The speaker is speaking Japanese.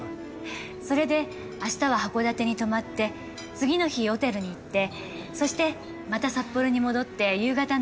それで明日は函館に泊まって次の日小樽に行ってそしてまた札幌に戻って夕方の。